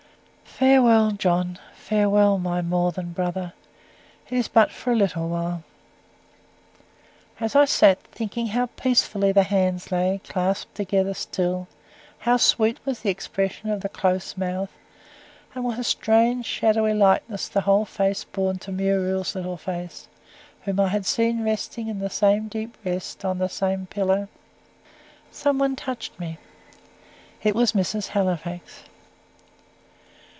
Farewell, John! Farewell, my more than brother! It is but for a little while. As I sat, thinking how peacefully the hands lay, clasped together still, how sweet was the expression of the close mouth, and what a strange shadowy likeness the whole face bore to Muriel's little face, which I had seen resting in the same deep rest on the same pillow; some one touched me. It was Mrs. Halifax.